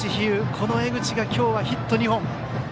この江口が、今日はヒット２本。